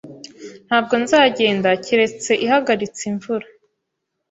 Ntabwo nzagenda keretse ihagaritse imvura.